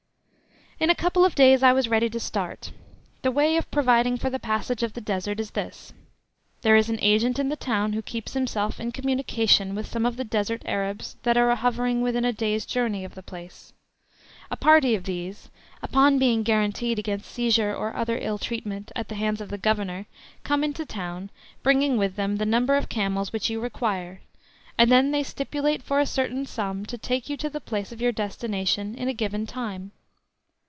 In a couple of days I was ready to start. The way of providing for the passage of the Desert is this: there is an agent in the town who keeps himself in communication with some of the desert Arabs that are hovering within a day's journey of the place. A party of these upon being guaranteed against seizure or other ill treatment at the hands of the Governor come into the town, bringing with them the number of camels which you require, and then they stipulate for a certain sum to take you to the place of your destination in a given time.